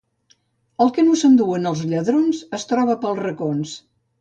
El que no s'enduen els lladrons es troba pels racons.